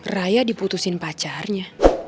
raya diputusin pacarnya